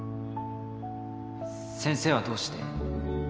先生はどうして